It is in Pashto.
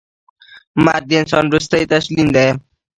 مرګ د انسان وروستۍ تسلیم ده.